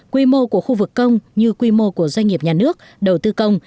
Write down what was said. quy mô của khu vực công như quy mô của doanh nghiệp nhà nước đầu tư công